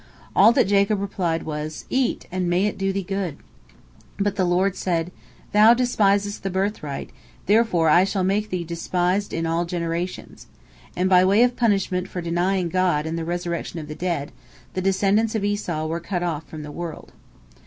All that Jacob replied was, "Eat and may it do thee good!" But the Lord said, "Thou despisest the birthright, therefore I shall make thee despised in all generations." And by way of punishment for denying God and the resurrection of the dead, the descendants of Esau were cut off from the world.